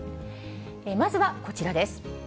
まずはこちらです。